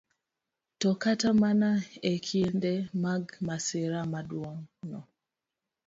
To kata mana e kinde mag masira maduong'no,